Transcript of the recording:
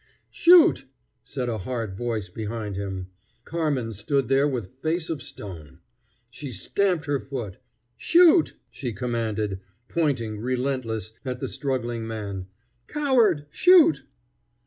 "Shoot!" said a hard voice behind him. Carmen stood there with face of stone. She stamped her foot. "Shoot!" she commanded, pointing, relentless, at the struggling man. "Coward, shoot!"